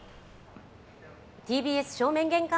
ＴＢＳ正面玄関